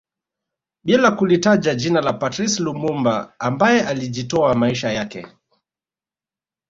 Bila kulitaja jina la Patrice Lumumba ambaye alijitoa maisha yake